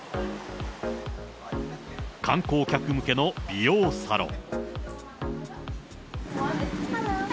観光客向けの美容サロン。